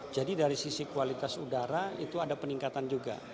jadi dari sisi kualitas udara itu ada peningkatan juga